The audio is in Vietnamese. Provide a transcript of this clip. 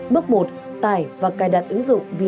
bước một tải và cài đặt ứng dụng vnead